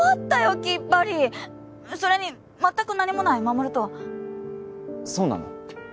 きっぱりそれに全く何もない衛とはそうなの？